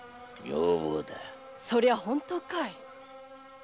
そりゃ本当かい。